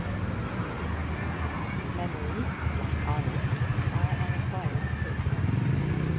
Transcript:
Memories, like olives, are an acquired taste.